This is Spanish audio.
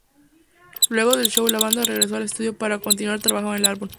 Luego del show, la banda regresó al estudio para continuar trabajando en el álbum.